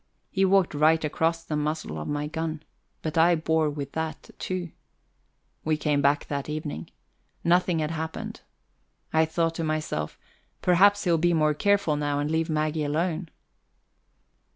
He walked right across the muzzle of my gun; but I bore with that too. We came back that evening. Nothing had happened. I thought to myself: "Perhaps he'll be more careful now, and leave Maggie alone."